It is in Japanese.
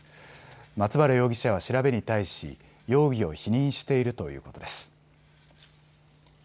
松原容疑者は調べに対し容疑を否認しているということです。